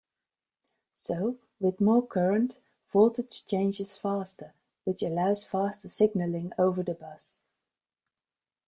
So with more current, voltage changes faster, which allows faster signaling over the bus.